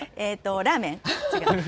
ラーメン？